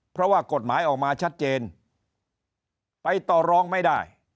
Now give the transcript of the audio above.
เพราะว่ากฎหมายออกมาชัดเจนไปต่อรองไม่ได้